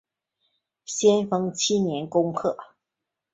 咸丰七年攻破。